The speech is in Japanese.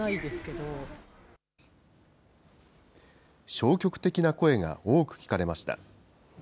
消極的な声が多く聞かれました。